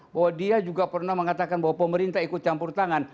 bahwa dia juga pernah mengatakan bahwa pemerintah ikut campur tangan